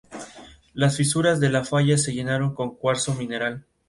Es la sede canónica de la Hermandad de Santiago, o de los Estudiantes.